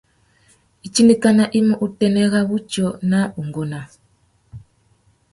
Itindikana i mú utênê râ wutiō na ungúná.